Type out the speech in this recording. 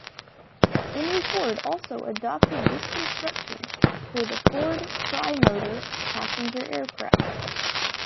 Henry Ford also adopted this construction for the Ford Tri-Motor passenger aircraft.